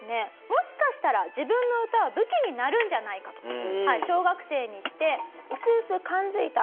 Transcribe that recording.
もしかしたら自分の歌は武器になるんじゃないかと小学生にして薄々感付いたミエさんはですね